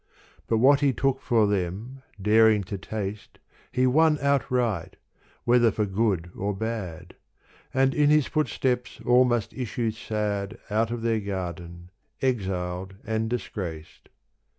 But what he took for them — daring to taste — He won outright, whether for good or bad : And in his footsteps all must issue sad Out of their garden, exiled and disgraced.